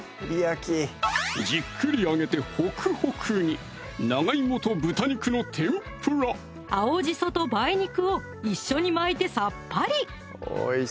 じっくり揚げてホクホクに青じそと梅肉を一緒に巻いてさっぱり！